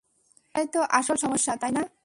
এটাই তো আসল সমস্যা, তাই না?